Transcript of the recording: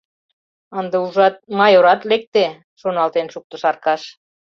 Ынде, ужат, майорат лекте, — шоналтен шуктыш Аркаш.